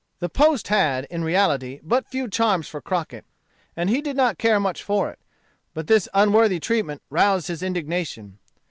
The once had, in reality, but few charms for Crockett, and he did not care much for it. But this unworthy treatment roused his indignation.